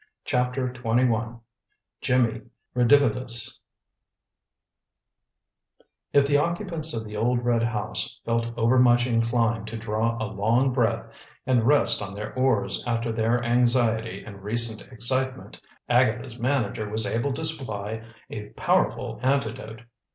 CHAPTER XXI JIMMY REDIVIVUS If the occupants of the old red house felt over much inclined to draw a long breath and rest on their oars after their anxiety and recent excitement, Agatha's manager was able to supply a powerful antidote.